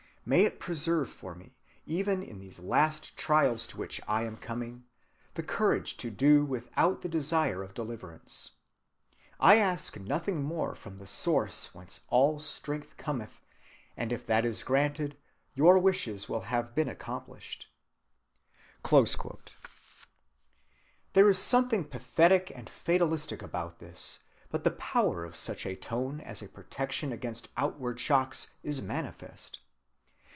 May it preserve for me, even in these last trials to which I am coming, the courage to do without the desire of deliverance. I ask nothing more from the Source whence all strength cometh, and if that is granted, your wishes will have been accomplished."(168) There is something pathetic and fatalistic about this, but the power of such a tone as a protection against outward shocks is manifest.